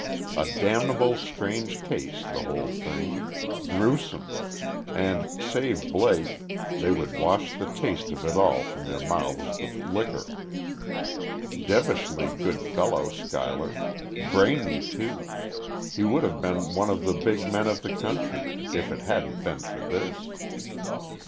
A damnable strange case, the whole thing. Grewsome! And, save Blake, they would wash the taste of it all from their mouths with liquor. Devilishly good fellow, Schuyler. Brainy, too. He would have been one of the big men of the country, if it hadn't been for this.